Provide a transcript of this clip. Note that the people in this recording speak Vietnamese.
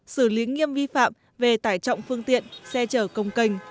xử lý nghiêm vi phạm về tải trọng phương tiện xe chở công cành